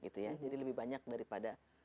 jadi lebih banyak daripada